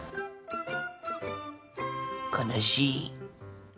悲しい。